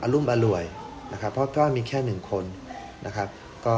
รุมอร่วยนะครับเพราะก็มีแค่๑คนนะครับ